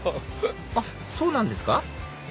あっそうなんですか